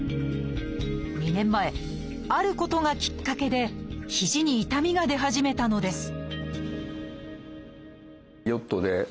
２年前あることがきっかけで肘に痛みが出始めたのです